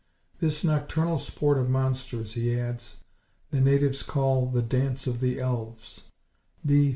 This nocturnal sport of monsters, he adds, the natives call The Dance of the Elves (B.